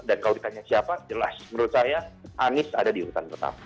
dan kalau ditanya siapa jelas menurut saya anies ada diurutan tetap